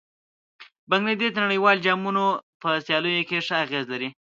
بنګله دېش د نړیوالو جامونو په سیالیو کې ښه اغېز لري.